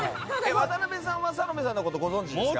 渡辺さんはサロメさんのことご存じですか？